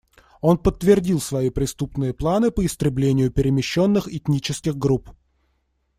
Он подтвердил свои преступные планы по истреблению перемещенных этнических групп.